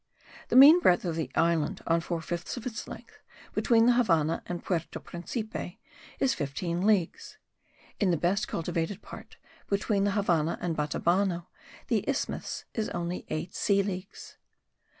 The mean breadth of the island, on four fifths of its length, between the Havannah and Puerto Principe, is 15 leagues. In the best cultivated part, between the Havannah and Batabano, the isthmus is only eight sea leagues.